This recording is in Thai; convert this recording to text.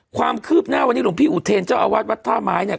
ความคืบหน้าวันนี้หลวงพี่อุเทรนเจ้าอาวาสวัดท่าไม้เนี่ย